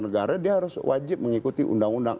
negara dia harus wajib mengikuti undang undang